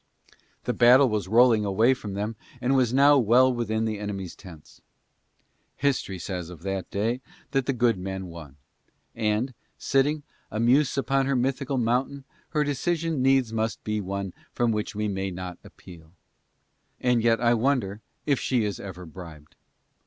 The battle was rolling away from them and was now well within the enemy's tents. History says of that day that the good men won. And, sitting, a Muse upon her mythical mountain, her decision must needs be one from which we may not appeal: and yet I wonder if she is ever bribed.